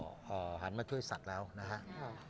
เดินหน้าครับตอนนี้เราก็หันมาช่วยสัตว์แล้วนะครับ